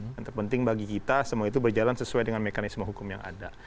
yang terpenting bagi kita semua itu berjalan sesuai dengan mekanisme hukum yang ada